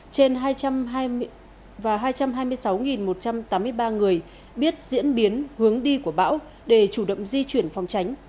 trên hai trăm hai mươi sáu một trăm tám mươi ba người biết diễn biến hướng đi của bão để chủ động di chuyển phòng tránh